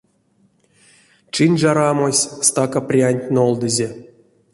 Чиньжарамось стака прянть нолдызе.